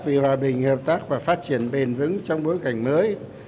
vì hòa bình hợp tác và phát triển bền vững trong bối cảnh mới